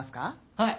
はい。